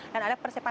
dan ada persenjataan